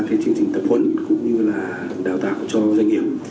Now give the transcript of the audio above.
cái chương trình tập huấn cũng như là đào tạo cho doanh nghiệp